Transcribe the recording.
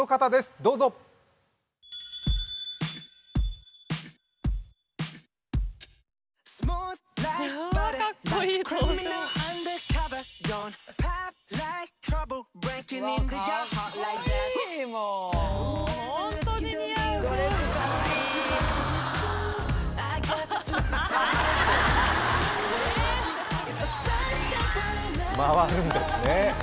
どうぞ回るんですね